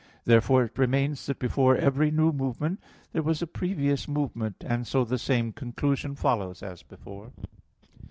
Therefore it remains that before every new movement, there was a previous movement; and so the same conclusion follows as before.